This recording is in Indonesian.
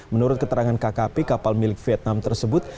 menurut keterangan kkp kapal milik vietnam tersebut